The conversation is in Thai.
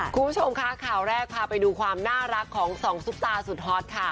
คุณผู้ชมคะข่าวแรกพาไปดูความน่ารักของสองซุปตาสุดฮอตค่ะ